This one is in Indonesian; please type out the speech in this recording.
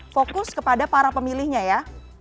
fokus kepada para pemilihnya ya